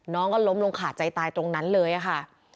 น้องก็ล้มลงขาดใจตายตรงนั้นเลยค่ะ